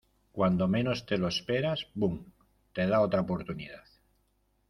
cuando menos te lo esperas, boom , te da otra oportunidad.